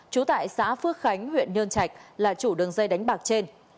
trú tại xã phước khánh huyện nhơn trạch là chủ đường dây đánh bạc trên